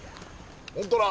本当だ。